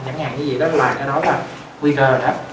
chẳng hạn như vậy đó là cái đó là quy cờ đó